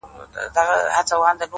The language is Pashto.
چي ته به يې په کومو صحفو. قتل روا کي.